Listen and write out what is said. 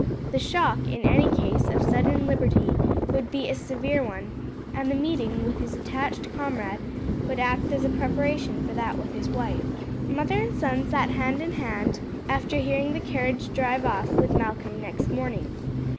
The shock, in any case, of sudden liberty, would be a severe one, and the meeting with his attached comrade would act as a preparation for that with his wife. Mother and son sat hand in hand after hearing the carriage drive off with Malcolm next morning.